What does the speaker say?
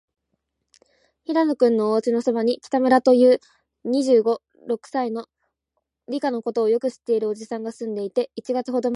平野君のおうちのそばに、北村という、二十五、六歳の、理科のことをよく知っているおじさんがすんでいて、一月ほどまえから、